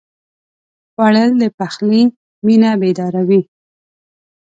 خوړل د پخلي مېنه بیداروي